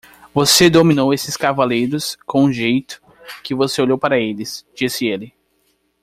"Você dominou esses cavaleiros com o jeito que você olhou para eles?", disse ele.